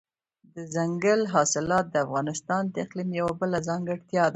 دځنګل حاصلات د افغانستان د اقلیم یوه بله ځانګړتیا ده.